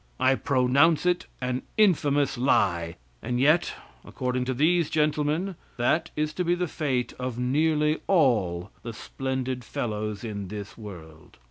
I pronounce it an infamous lie. And yet, according to these gentlemen, that is to be the fate of nearly all the splendid fellows in this world.